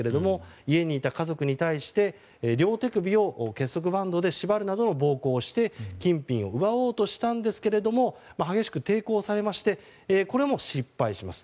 家にいた家族に対して両手首を結束バンドで縛るなどの暴行をして金品を奪おうとしたんですが激しく抵抗されましてこれも失敗します。